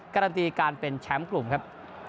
การันตีการเป็นแชมป์กลุ่มครับ